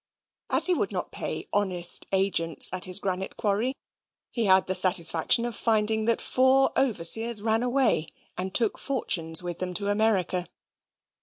As he would not pay honest agents at his granite quarry, he had the satisfaction of finding that four overseers ran away, and took fortunes with them to America.